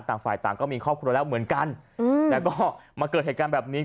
ต่างฝ่ายต่างก็มีครอบครัวแล้วเหมือนกันแต่ก็มาเกิดเหตุการณ์แบบนี้